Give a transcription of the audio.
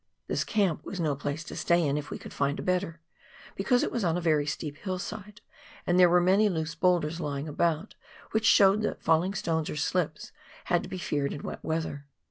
This camp was no place to stay in, if we could find a better, because it was on a very steep hillside, and there were many loose boulders lying about, which showed that falling stones or slips had to be feared in wet weather.